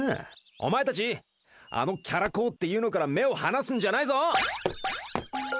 お前たちあのキャラ公っていうのから目を離すんじゃないぞ！